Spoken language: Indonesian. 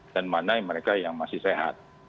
dan mana yang masih sehat